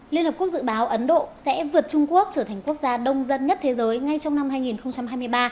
liên hợp quốc dự báo ấn độ sẽ vượt trung quốc trở thành quốc gia đông dân nhất thế giới ngay trong năm hai nghìn hai mươi ba